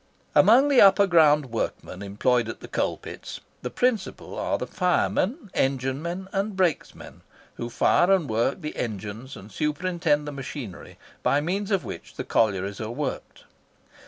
Among the upper ground workmen employed at the coal pits, the principal are the firemen, enginemen, and brakes men, who fire and work the engines, and superintend the machinery by means of which the collieries are worked.